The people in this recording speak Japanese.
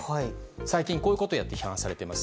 最近、こういうことをやって批判されています。